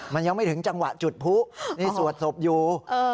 มันยังไม่ถึงจังหวะจุดผู้นี่สวดศพอยู่